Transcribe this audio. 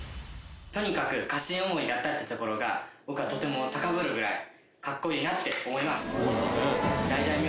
とにかく家臣思いだったってところが僕はとても高ぶるぐらいかっこいいなって思います。